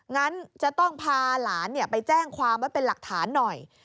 งั้นจะต้องพาหลานไปแจ้งความไว้เป็นหลักฐานหน่อย